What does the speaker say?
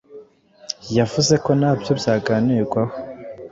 yavuze ko nabyo byaganirwaho